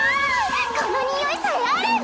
この匂いさえあれば！